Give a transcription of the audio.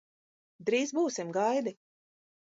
Drīz būsim, gaidi!